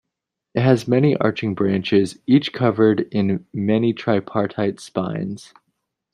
It has many arching branches, each covered in many tripartite spines.